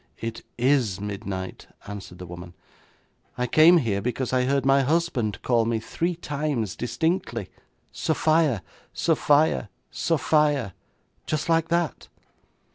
'It is midnight,' answered the woman; 'I came here because I heard my husband call me three times distinctly, "Sophia, Sophia, Sophia!" just like that.'